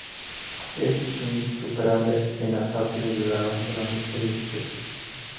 Es insuperable en las artes de la danza, la música y el sexo.